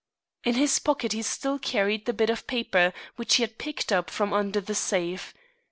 In his pocket he still carried the bit of paper which he had picked up from under the safe.